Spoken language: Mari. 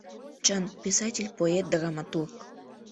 — Чын— писатель, поэт, драматург.